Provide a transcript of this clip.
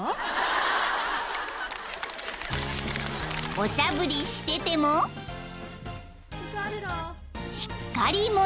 ［おしゃぶりしててもしっかり者］